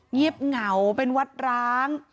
เงียบเหงาเป็นวัดร้าง